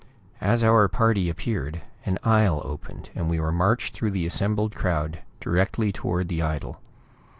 As our party appeared, an aisle opened, and we were marched through the assembled crowd, directly toward the idol.